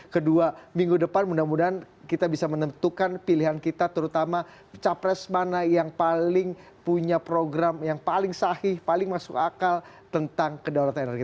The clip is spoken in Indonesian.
kedua minggu depan mudah mudahan kita bisa menentukan pilihan kita terutama capres mana yang paling punya program yang paling sahih paling masuk akal tentang kedaulatan energi